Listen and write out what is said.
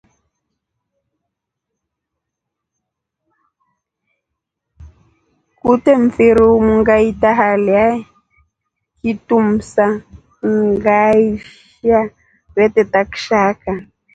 Kute mfiri umu ngaita halya kitumsa ngaishwa veteta kishaka.